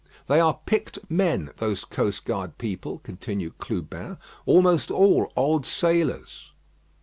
"They are picked men those coast guard people," continued Clubin; "almost all old sailors."